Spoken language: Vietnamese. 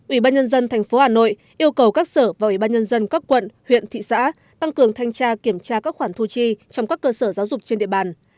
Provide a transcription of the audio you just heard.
ủy ban nhân dân tp hà nội yêu cầu các sở và ủy ban nhân dân các quận huyện thị xã tăng cường thanh tra kiểm tra các khoản thu chi trong các cơ sở giáo dục trên địa bàn